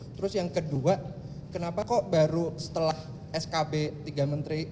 terus yang kedua kenapa kok baru setelah skb tiga menteri